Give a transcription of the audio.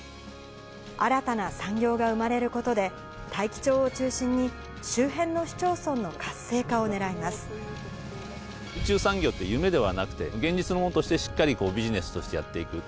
新たな産業が生まれることで、大樹町を中心に、宇宙産業って夢ではなくて、現実のものとして、しっかりビジネスとしてやっていく。